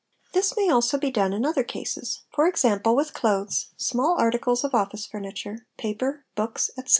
This may also be done in other cases, for example, with clothes, small articles of office furniture, paper, books, etc.